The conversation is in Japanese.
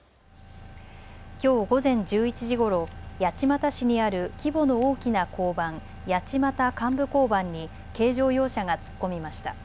きょう午前１１時ごろ八街市にある規模の大きな交番、八街幹部交番に軽乗用車が突っ込みました。